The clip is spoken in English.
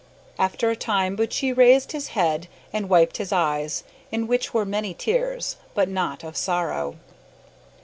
After a time Buttchee raised his head and wiped his eyes, in which were many tears but not of sorrow.